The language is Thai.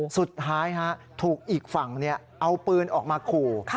สุดท้ายถูกอีกฝั่งเอาปืนออกมาขู่